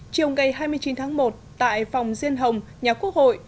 chiều ngày hai mươi chín tháng một tại phòng diên hồng nhà quốc hội